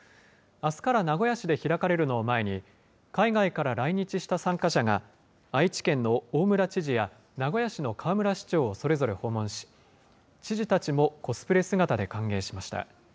あすから名古屋市で開かれるのを前に、海外から来日した参加者が愛知県の大村知事や名古屋市の河村市長をそれぞれ訪問し、知事たちもコスプレ姿で歓迎しました。